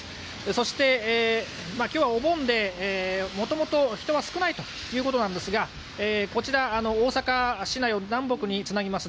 そして、今日はお盆で元々人は少ないということですがこちら、大阪市内を南北につなぎます